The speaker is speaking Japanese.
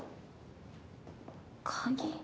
鍵。